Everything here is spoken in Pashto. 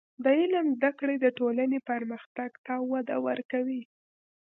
د علم زده کړه د ټولنې پرمختګ ته وده ورکوي.